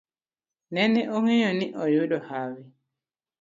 Nene ong'eyo ni oyudo hawi